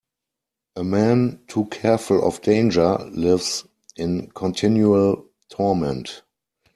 A man too careful of danger lives in continual torment.